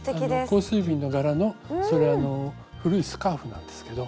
香水瓶の柄のそれあの古いスカーフなんですけど